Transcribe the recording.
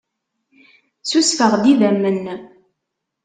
Ssusfeɣ-d idammen.